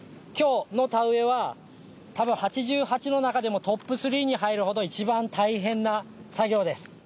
今日の田植えは多分８８の中でもトップ３に入るほど一番大変な作業です。